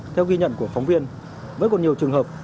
theo ghi nhận của phóng viên vẫn còn nhiều trường hợp